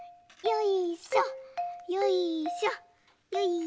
よいしょ！